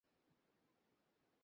মো-ই তো তাকে হত্যা করলো।